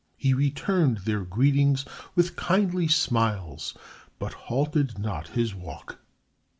He returned their greetings with kindly smiles, but halted not in his walk.